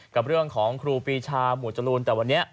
กับเรื่องของครูปีชาหมวดจรูนแต่วันนี้